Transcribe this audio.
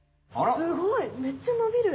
すごい！